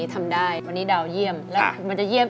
กระแซะเข้ามาสิ